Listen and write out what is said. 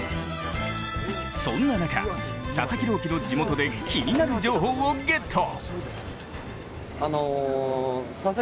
そんな中、佐々木朗希の地元で気になる情報をゲット。